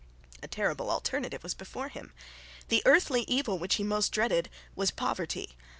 A terrible alternative was before him. The earthly evil which he most dreaded was poverty.